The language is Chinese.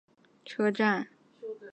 三原站铁路车站。